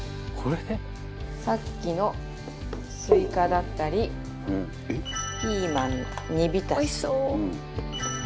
さっきのスイカだったりピーマン煮浸し。